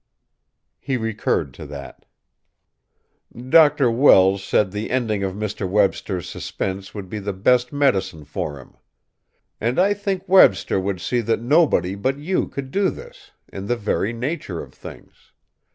He recurred to that. "Dr. Welles said the ending of Mr. Webster's suspense would be the best medicine for him. And I think Webster would see that nobody but you could do this in the very nature of things.